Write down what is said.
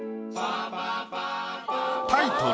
タイトル